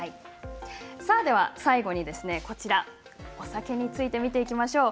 最後にお酒について見ていきましょう。